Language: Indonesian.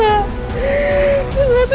aku lupa salah putri